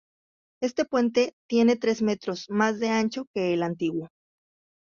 Este puente tiene tres metros más de ancho que el antiguo.